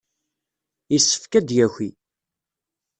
Yessefk ad d-yaki.